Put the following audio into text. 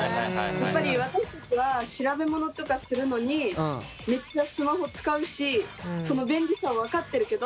やっぱり私たちは調べ物とかするのにめっちゃスマホ使うしその便利さを分かってるけど。